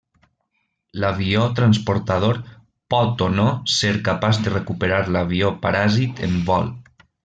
L'avió transportador pot o no ser capaç de recuperar l'avió paràsit en vol.